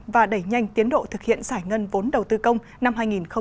và đẩy nhanh tiến độ thực hiện giải ngân vốn đầu tư công năm hai nghìn hai mươi